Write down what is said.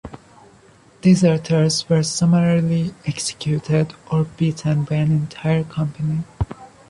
Deserters were summarily executed or beaten by an entire company.